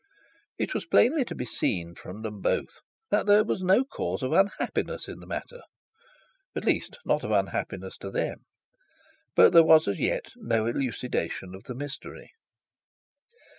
It was plainly to be seen from them both that there was no cause for unhappiness in the matter, at least not of an unhappiness to them; but there was as yet no clarification of the mystery.